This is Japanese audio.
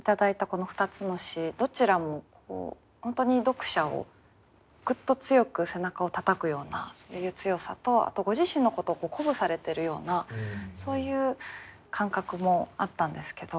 この２つの詩どちらも本当に読者をグッと強く背中をたたくようなそういう強さとあとご自身のことを鼓舞されてるようなそういう感覚もあったんですけど